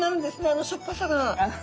あのしょっぱさが。